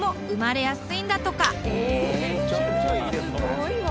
すごいわ。